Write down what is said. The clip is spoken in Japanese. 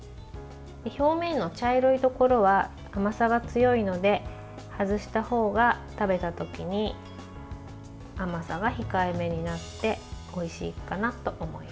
表面の茶色いところは甘さが強いので外した方が、食べた時に甘さが控えめになっておいしいかなと思います。